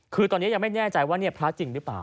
คือตอนนี้ยังไม่แน่ใจว่าพระจริงหรือเปล่า